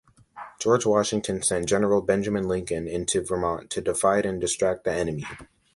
George Washington sent General Benjamin Lincoln into Vermont to "divide and distract the enemy".